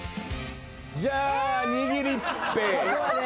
じゃあにぎりっぺ。